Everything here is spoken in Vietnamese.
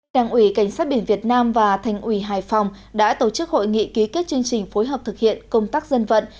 đảng ủy cảnh sát biển việt nam và thành ủy hải phòng đã tổ chức hội nghị ký kết chương trình phối hợp thực hiện công tác dân vận